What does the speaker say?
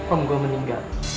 om gue meninggal